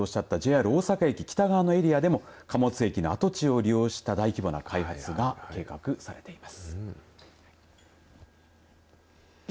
なんばのほか先ほどおっしゃったＪＲ大阪駅北側のエリアでも貨物駅の跡地を利用した大規模な開発が計画されています。